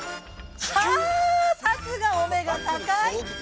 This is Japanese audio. ◆さすが、お目が高い。